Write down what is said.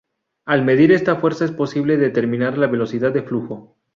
Al medir esta fuerza es posible determinar la velocidad de flujo.